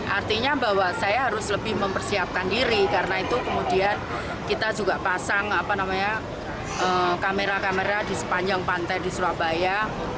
artinya bahwa saya harus lebih mempersiapkan diri karena itu kemudian kita juga pasang kamera kamera di sepanjang pantai di surabaya